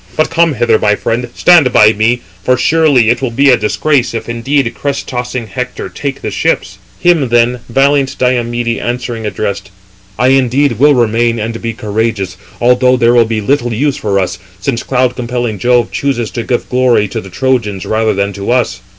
But come hither, my friend, stand by me; for surely it will be a disgrace if indeed crest tossing Hector take the ships." Him then valiant Diomede, answering, addressed: "I indeed will remain, and be courageous; although there will be little use 375 for us, since cloud compelling Jove chooses to give glory to the Trojans rather than to us."